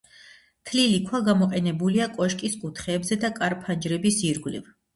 თლილი ქვა გამოყენებულია კოშკის კუთხეებზე და კარ-ფანჯრების ირგვლივ.